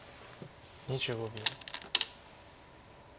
２５秒。